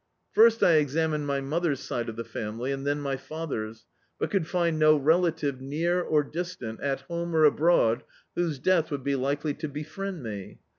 First I examined my mother's side of the family, and then my father's, but could find no relative, near or distant, at home or abroad, whose death would be likely to befriend me.